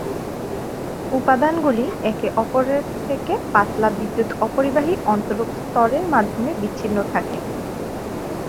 উপাদানগুলি একে অপরের থেকে পাতলা বিদ্যুৎ-অপরিবাহী অন্তরক স্তরের মাধ্যমে বিচ্ছিন্ন থাকে।